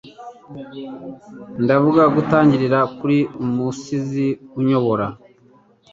Ndavuga gutangirira kuri Umusizi unyobora